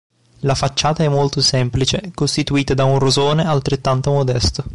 La facciata è molto semplice, costituita da un rosone altrettanto modesto.